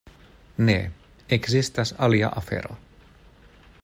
Ne: ekzistas alia afero.